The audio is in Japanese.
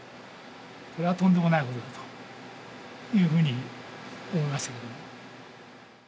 これはとんでもないことだというふうに思いましたけど。